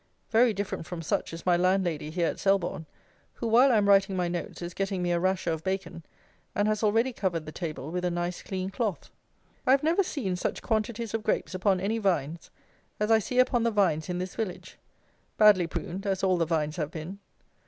Very different from such is my landlady here at Selborne, who, while I am writing my notes, is getting me a rasher of bacon, and has already covered the table with a nice clean cloth. I have never seen such quantities of grapes upon any vines as I see upon the vines in this village, badly pruned as all the vines have been.